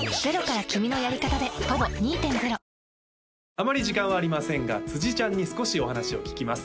あまり時間はありませんが辻ちゃんに少しお話を聞きます